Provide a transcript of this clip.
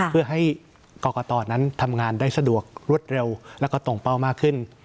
เพื่อให้กรกตนั้นทำงานได้สะดวกรวดเร็วแล้วก็ตรงเป้ามากขึ้น